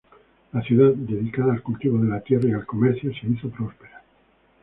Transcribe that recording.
La ciudad, dedicada al cultivo de la tierra y al comercio, se hizo próspera.